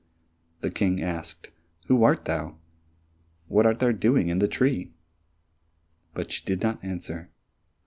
The King asked, "Who art thou? What art thou doing on the tree?" But she did not answer.